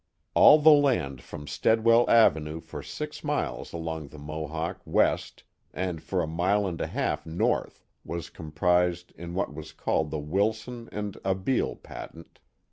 All the land from Steadwell Avenue for six miles along the Mohawk west and for a mile and a half north was Comprised in what was caiied the Wilson and Abeel patent.